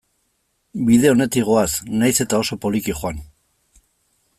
Bide onetik goaz, nahiz eta oso poliki joan.